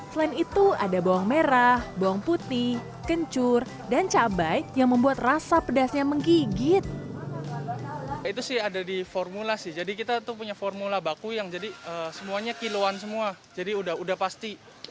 selain itu ada bawang merah bawang putih kencur dan cabai yang membuat rasa pedasnya menggigit